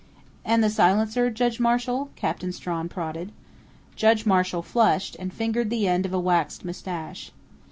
"And the silencer, Judge Marshall?" Captain Strawn prodded. Judge Marshall flushed, and fingered the end of a waxed mustache.